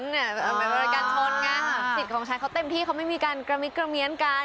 หมายบริการชนไงสิทธิ์ของชายเขาเต็มที่เขาไม่มีการกระมิดกระเมียนกัน